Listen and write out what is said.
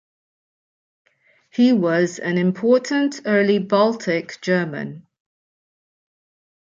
He was an important early Baltic German.